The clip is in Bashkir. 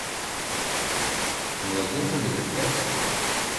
Муйылдың һүҙе бөткәс: